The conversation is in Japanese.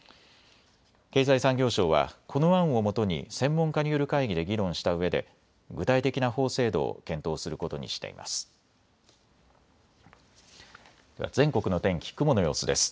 経済産業省はこの案をもとに専門家による会議で議論したうえで具体的な法制度を検討することにしています。